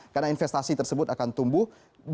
karena investasi tersebut akan tumbuh